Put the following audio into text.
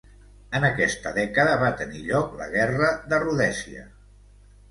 En aquesta dècada va tenir lloc la Guerra de Rhodèsia.